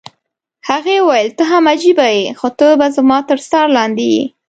هغې وویل: ته هم عجبه يې، خو ته به زما تر څار لاندې یې.